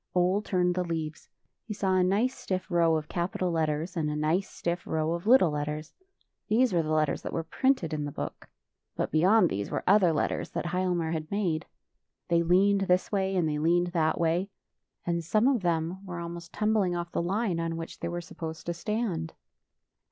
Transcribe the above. Ole turned the leaves. He saw a nice stiff row of capital letters, and a nice stiff row of little letters. These were the letters that were printed in the book. But beyond these were other letters that Hialmar had made. They leaned this way, and they leaned that way; and some of them were almost tum bling off the line on which they were sup posed to stand.